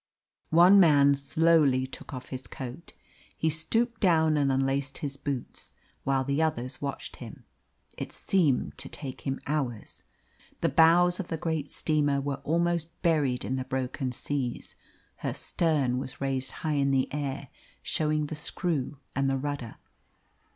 One man slowly took off his coat. He stooped down and unlaced his boots, while the others watched him. It seemed to take him hours. The bows of the great steamer were almost buried in the broken seas; her stern was raised high in the air, showing the screw and the rudder.